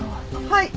はい！